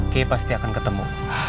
kay pasti akan ketemu